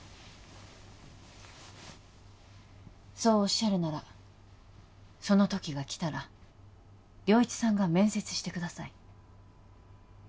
そうおっしゃるならそのときがきたら良一さんが面接してください